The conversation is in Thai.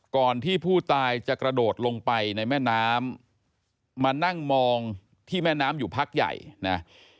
ก่อนที่ผู้ตายจะกระโดดลงไปในแม่น้ำมานั่งมองที่แม่น้ำอยู่พักใหญ่นะ